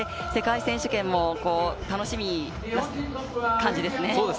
世界選手権も楽しみな感じですね。